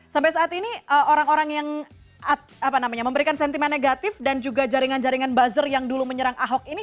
sampai saat ini orang orang yang memberikan sentimen negatif dan juga jaringan jaringan buzzer yang dulu menyerang ahok ini